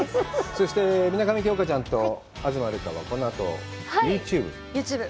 そして、水上京香ちゃんと東留伽はこのあと、ユーチューブ。